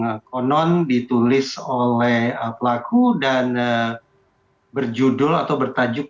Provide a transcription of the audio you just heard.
nah konon ditulis oleh pelaku dan berjudul atau bertajuk